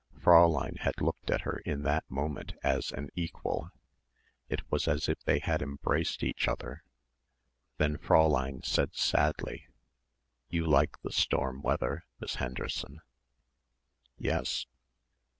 Fräulein had looked at her in that moment as an equal. It was as if they had embraced each other. Then Fräulein said sadly, "You like the storm weather, Miss Henderson." "Yes."